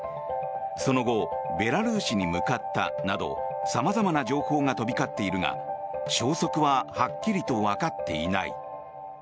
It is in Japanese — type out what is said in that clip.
その後ベラルーシに向かったなど様々な情報が飛び交っているが消息ははっきりとわかっていない。